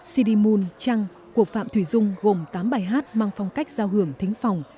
cd moon trăng cuộc phạm thùy dung gồm tám bài hát mang phong cách giao hưởng thính phòng